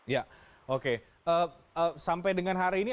ya oke sampai dengan hari ini